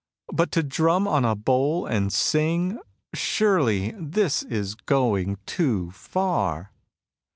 But to drum on a bowl, and sing ; surely this is going too far."